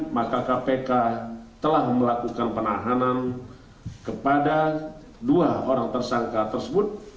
maka kpk telah melakukan penahanan kepada dua orang tersangka tersebut